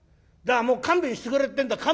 「だからもう勘弁してくれってんだ」。